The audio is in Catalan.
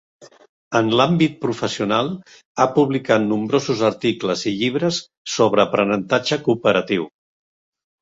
En l'àmbit professional, ha publicat nombrosos articles i llibres sobre aprenentatge cooperatiu.